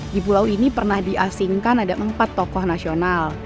di pulau ini pernah diasingkan ada empat tokoh nasional